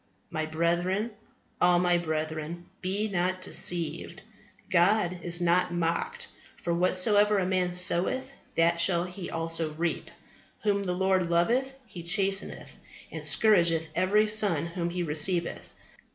My brethren, all my brethren, be not deceived; God is not mocked; for whatsoever a man soweth that shall he also reap. Whom the Lord loveth He chasteneth, and scourgeth every son whom He receiveth.